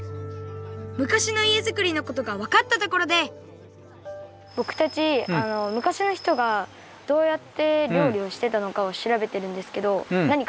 昔のいえづくりのことがわかったところでぼくたち昔の人がどうやって料理をしてたのかをしらべてるんですけどなにかわかりますか？